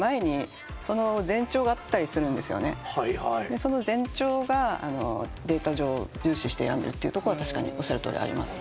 その前兆がデータ上重視して選んでるってとこは確かにおっしゃるとおりありますね。